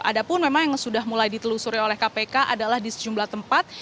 ada pun memang yang sudah mulai ditelusuri oleh kpk adalah di sejumlah tempat